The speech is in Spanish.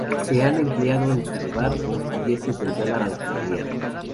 Se han empleado en su lugar los billetes del Dólar australiano.